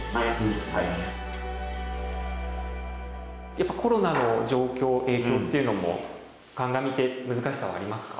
やっぱコロナの状況影響っていうのも鑑みて難しさはありますか？